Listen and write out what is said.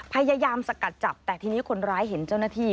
พยายามสกัดจับแต่ทีนี้คนร้ายเห็นเจ้าหน้าที่